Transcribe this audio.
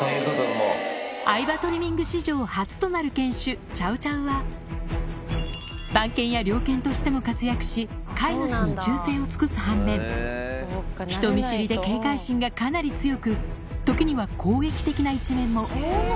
相葉トリミング史上、初となる犬種、チャウチャウは、番犬や猟犬としても活躍し、飼い主に忠誠を尽くす半面、人見知りで警戒心がかなり強く、時には攻撃的な一面も。